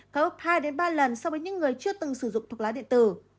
cao gấp hai ba lần so với những người chưa từng sử dụng thuốc lá điện tử